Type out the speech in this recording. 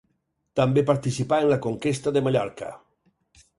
També participà en la conquesta de Mallorca.